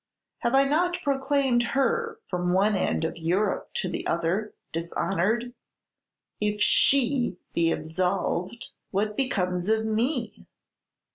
Have I not proclaimed her, from one end of Europe to the other, dishonored? If she be absolved, what becomes of _me?